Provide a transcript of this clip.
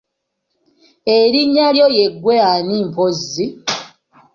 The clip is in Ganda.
Erinnya lyo ye ggwe ani mpozzi?